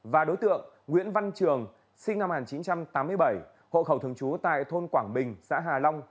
và đối tượng nguyễn văn trường sinh năm một nghìn chín trăm tám mươi bảy hộ khẩu thường trú tại thôn quảng bình xã hà long